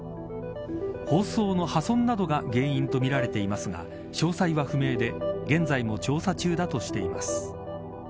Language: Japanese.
包装の破損などが原因とみられていますが詳細は不明で、現在も調査中だとしています。